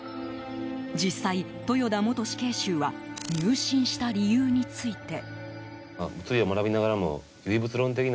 実際、豊田元死刑囚は入信した理由について。